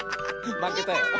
まけたよ。